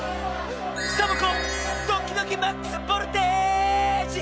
サボ子ドキドキマックスボルテージ！